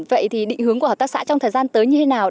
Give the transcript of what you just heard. vậy thì định hướng của hợp tác xã trong thời gian tới như thế nào